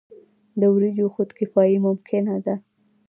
د وریجو خودکفايي ممکنه ده.